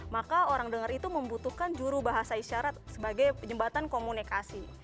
maka orang dengar itu membutuhkan juru bahasa isyarat sebagai jembatan komunikasi